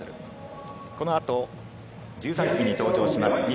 このあと、１３組に登場します